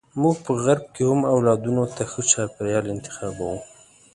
موږ په غرب کې هم اولادونو ته ښه چاپیریال انتخابوو.